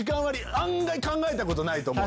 案外考えたことないと思う。